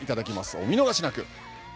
お見逃しなく。